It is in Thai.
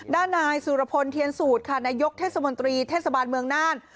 ด้านนายสุรพลเทียนสูตรค่ะนายกเทศมนตรีเทศบาลเมืองน่าน